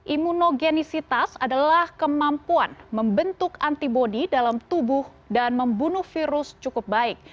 imunogenisitas adalah kemampuan membentuk antibody dalam tubuh dan membunuh virus cukup baik